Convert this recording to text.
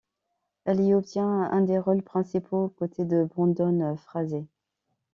Elle y obtient un des rôles principaux, aux côtés de Brendan Fraser.